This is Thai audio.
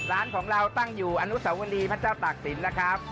ร้านของเราตั้งอยู่อนุสาวรีพระเจ้าตากศิลป์นะครับ